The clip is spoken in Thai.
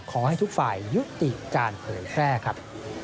ขอให้ทุกฝ่ายยุติการเผยแพร่ครับ